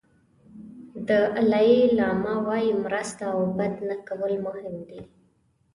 دالای لاما وایي مرسته او بد نه کول مهم دي.